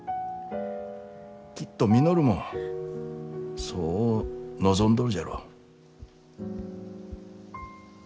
きっと稔もそう望んどるじゃろう。